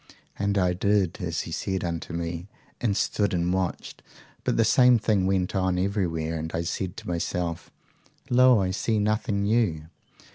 "'And I did as he said unto me, and stood and watched. But the same thing went on everywhere; and I said to myself, Lo, I see nothing new!